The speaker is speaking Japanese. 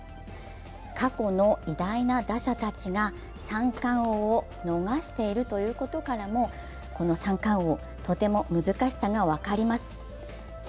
過去の偉大な打者たちが三冠王を逃しているということからもこの三冠王、とても難しさが分かります。